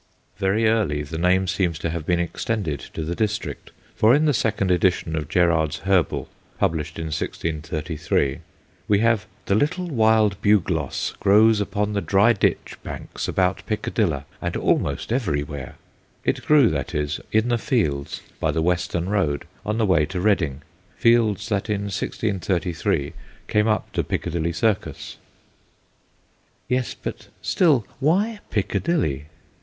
Very early the name seems to have been extended to the district, for in the second edition of Gerarde's Herbal, published in 1633, we have 'The little wild Buglosse grows upon the drie ditche banks about Pickadilla, and almost everywhere/ It grew, that is, in the fields by the Western 6 THE GHOSTS OF PICCADILLY Road, on the way to Reading fields that in 1633 came up to Piccadilly Circus. Yes ; but still, why Piccadilly